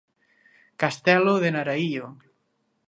Castelo de Naraío.